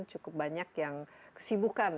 cukup banyak yang kesibukan